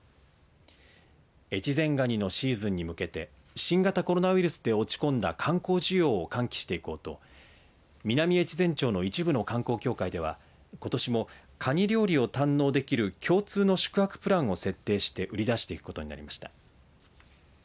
越前ガニのシーズンに向けて新型コロナウイルスで落ち込んだ観光需要を喚起していこうと南越前町の一部の観光協会ではことしもカニ料理を堪能できる共通の宿泊プランを設定して売り出していくことになりました。